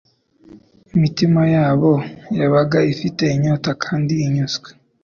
imitima yabo yabaga ifite inyota kandi inyuzwe,